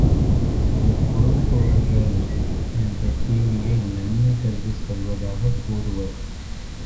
சிலர் புறங்கூறுதல் என்ற தீமையை, நன்மை கருதிச் சொல்வதாகக் கூறுவர்.